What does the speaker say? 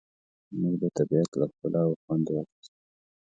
موږ د طبیعت له ښکلا خوند واخیست.